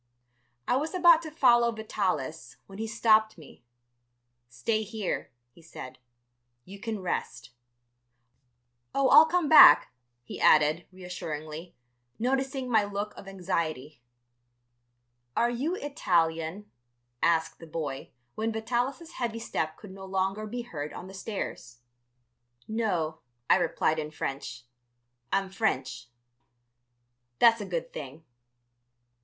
I was about to follow Vitalis, when he stopped me. "Stay here," he said; "you can rest. "Oh, I'll come back," he added, reassuringly, noticing my look of anxiety. "Are you Italian?" asked the boy, when Vitalis' heavy step could no longer be heard on the stairs. "No," I replied in French, "I'm French." "That's a good thing."